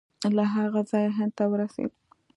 له هغه ځایه هند ته ورسېد.